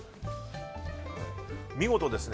見事ですね。